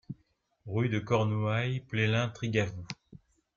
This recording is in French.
Rue de Cornouaille, Pleslin-Trigavou